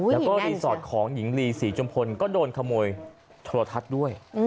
แล้วก็รีสอร์ทของหญิงลีศรีจุมพลก็โดนขโมยโทรทัศน์ด้วย